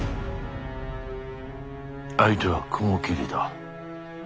相手は雲霧だ。